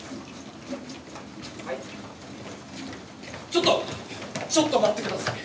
ちょっとちょっと待ってください。